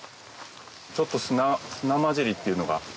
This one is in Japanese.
ちょっと砂交じりっていうのが。